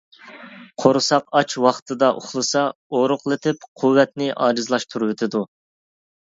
قورساق ئاچ ۋاقتىدا ئۇخلىسا ئورۇقلىتىپ قۇۋۋەتنى ئاجىزلاشتۇرۇۋېتىدۇ.